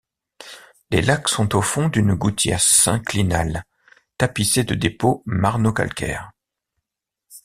Les lacs sont au fond d'une gouttière synclinale tapissé de dépôts marno-calcaires.